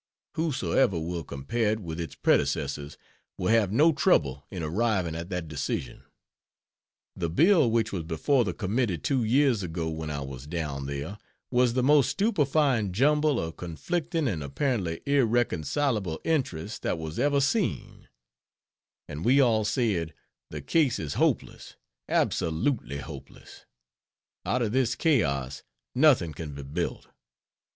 Whosoever will compare it with its predecessors will have no trouble in arriving at that decision. The bill which was before the committee two years ago when I was down there was the most stupefying jumble of conflicting and apparently irreconcilable interests that was ever seen; and we all said "the case is hopeless, absolutely hopeless out of this chaos nothing can be built."